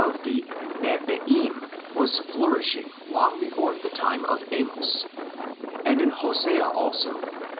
141 of the N*biim was flourishing long before the time of Amos, and in Hosea also, xii.